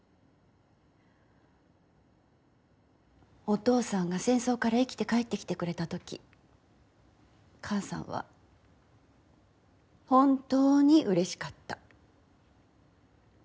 お父さんが戦争から生きて帰ってきてくれた時母さんは本当にうれしかった。